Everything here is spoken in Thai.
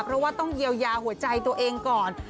เพราะว่าต้องเยียวยาหัวใจตัวเองก่อน